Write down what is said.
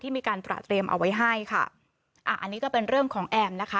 มีการตระเตรียมเอาไว้ให้ค่ะอ่าอันนี้ก็เป็นเรื่องของแอมนะคะ